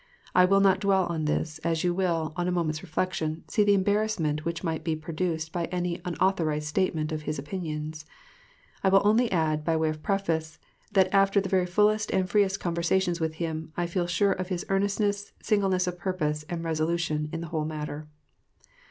I will not dwell on this, as you will, on a moment's reflection, see the embarrassment which might be produced by any authorized statement of his opinions. I will only add, by way of preface, that after the very fullest and freest conversations with him, I feel sure of his earnestness, singleness of purpose, and resolution in the whole matter.